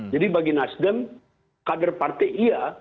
jadi bagi nasdem kader partai iya